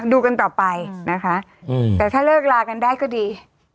ดูกันต่อไปนะคะแต่ถ้าเลิกลากันได้ก็ดี